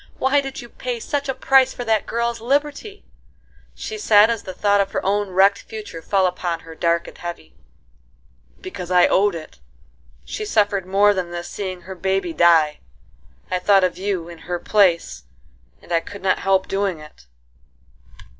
Why did you pay such a price for that girl's liberty?" she said, as the thought of her own wrecked future fell upon her dark and heavy. "Because I owed it;—she suffered more than this seeing her baby die;—I thought of you in her place, and I could not help doing it."